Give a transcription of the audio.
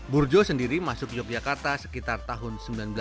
burjo sendiri masuk yogyakarta sekitar tahun seribu sembilan ratus delapan puluh